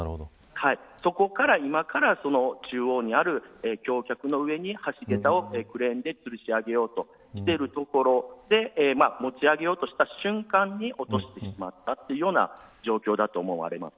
そこから、今中央にある橋脚の上に橋げたをクレーンでつるし上げようとしていて持ち上げようとした瞬間に落としてしまったというような状況だと思われます。